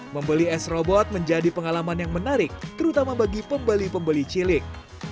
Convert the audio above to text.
membeli s robot menjadi pengalaman yang menarik terutama bagi pembeli pembeli cilik